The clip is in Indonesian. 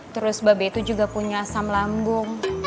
terus mbak bet tuh juga punya asam lambung